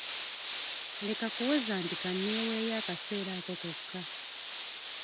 Leka kuwoza nti kanneeweeyo akaseera ako kokka.